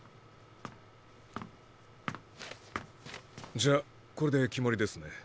じゃあこれで決まりですね。